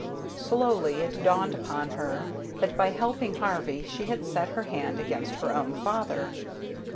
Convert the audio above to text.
Slowly it dawned upon her that by helping Harvey she had set her hand against her own father.